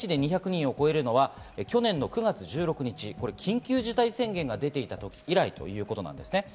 一日で２００人を超えるのは去年の９月１６日、緊急事態宣言が出ていた時以来となります。